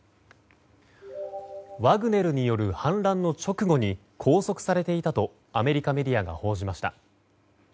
ワグネルによる反乱の直後に拘束されていたとアメリカメディアが報じました。